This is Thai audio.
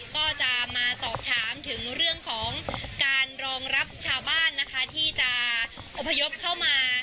ก็จะมาสอบถามถึงเรื่องของการรองรับชาวบ้านนะคะที่จะอพยพเข้ามา